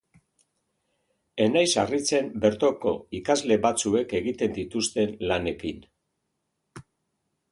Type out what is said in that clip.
Ez naiz harritzen bertoko ikasle batzuek egiten dituzten lanenekin.